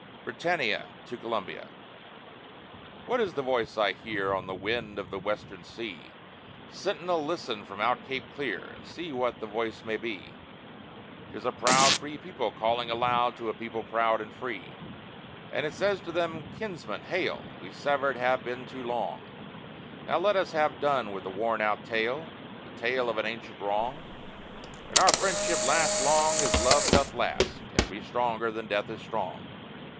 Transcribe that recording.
BRITANNIA TO COLUMBIA What is the voice I hear On the wind of the Western Sea? Sentinel, listen from out Cape Clear, And say what the voice may be. "'Tis a proud, free people calling aloud to a people proud and free. "And it says to them, 'Kinsmen, hail! We severed have been too long; Now let us have done with a wornout tale, The tale of an ancient wrong, And our friendship last long as love doth last, and be stronger than death is strong!'"